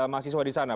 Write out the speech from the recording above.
masih suah di sana